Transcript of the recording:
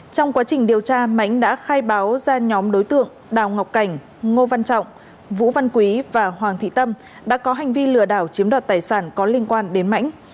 trong quá trình điều tra mãnh đã khai báo ra nhóm đối tượng đào ngọc cảnh ngô văn trọng vũ văn quý và hoàng thị tâm đã có hành vi lừa đảo chiếm đoạt tài sản có liên quan đến mãnh